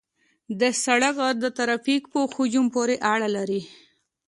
د سرک عرض د ترافیک په حجم پورې اړه لري